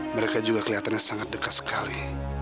mereka juga kelihatannya sangat dekat sekali